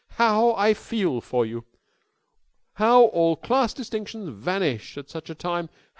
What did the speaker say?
How I feel for you. How all class distinctions vanish at such a time.